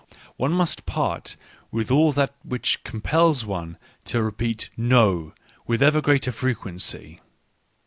One must part with all that which compels one to repeat "no," with ever greater frequency.